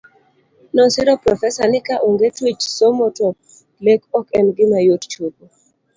Nosiro Profesa ni ka onge tweche somo to lek ok en gima yot chopo